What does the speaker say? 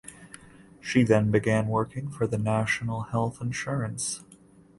She then began working for the National Health Insurance.